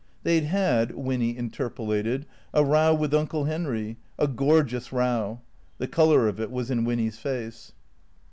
They 'd had (Winny interpolated) a row with Uncle Henry, a gorgeous row (the colour of it was in Winny's face).